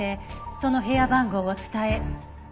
その部屋番号を伝え。